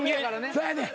そやねん。